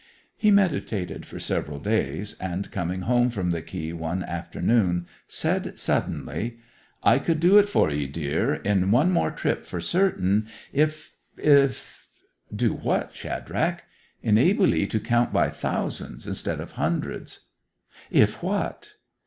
He meditated for several days, and coming home from the quay one afternoon said suddenly: 'I could do it for 'ee, dear, in one more trip, for certain, if—if—' 'Do what, Shadrach?' 'Enable 'ee to count by thousands instead of hundreds.' 'If what?